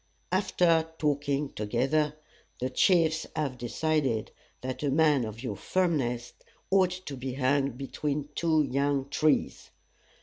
After talking together, the chiefs have decided that a man of your firmness ought to be hung between two young trees.